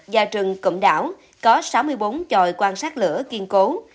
và rừng cụm đảo có sáu mươi bốn tròi quan sát lửa kiên cố